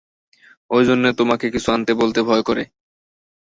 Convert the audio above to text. ঐ জন্যে তোমাকে কিছু আনতে বলতে ভয় করে।